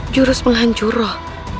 jurus penghancur roh